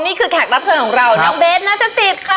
นี่คือแขกรับเชิญของเราน้องเบชนาฏศิษย์ค่ะ